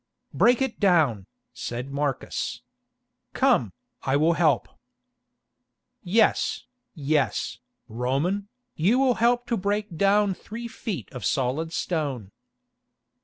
"Break it down," said Marcus. "Come, I will help." "Yes, yes, Roman, you will help to break down three feet of solid stone."